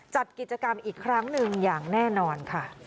จัดกิจกรรมอีกครั้งหนึ่งอย่างแน่นอนค่ะ